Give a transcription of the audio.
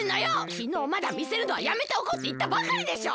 きのうまだみせるのはやめておこうっていったばかりでしょ！